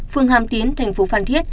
phương hàm tiến tp phan thiết